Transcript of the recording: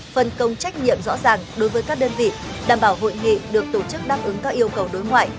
phân công trách nhiệm rõ ràng đối với các đơn vị đảm bảo hội nghị được tổ chức đáp ứng các yêu cầu đối ngoại